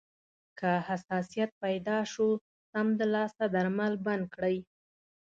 که حساسیت پیدا شو، سمدلاسه درمل بند کړئ.